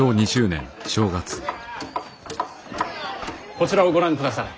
こちらをご覧くだされ。